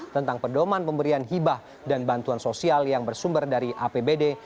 tentang pedoman pemberian hibah dan bantuan sosial yang bersumber dari apbd